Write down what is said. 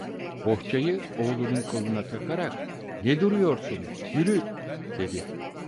Bohçayı oğlunun koluna takarak: "Ne duruyorsun, yürü…" dedi.